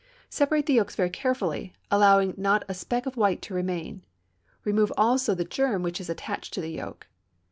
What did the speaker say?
Separate the yolks very carefully, allowing not a speck of white to remain; remove also the germ which is attached to the yolk.